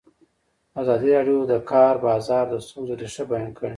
ازادي راډیو د د کار بازار د ستونزو رېښه بیان کړې.